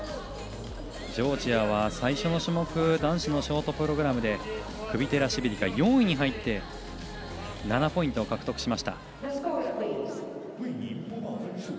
ジョージアは最初の種目男子のショートプログラムでクビテラシビリが４位に入って７ポイントを獲得しました。